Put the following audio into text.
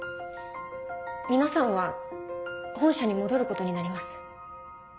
皆さんは本社に戻ることになります。